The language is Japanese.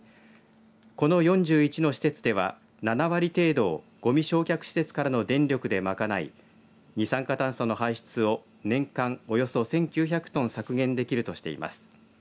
この４１の施設では７割程度をごみ焼却施設からの電力で賄い二酸化炭素の排出を年間およそ１９００トン削減できるとしています。